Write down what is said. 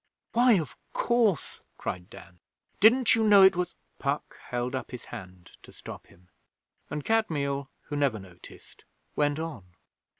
'Why, of course!' cried Dan. 'Didn't you know it was ' Puck held up his hand to stop him, and Kadmiel, who never noticed, went on.